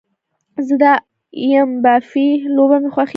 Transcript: زه د ایم با في لوبه مې خوښیږي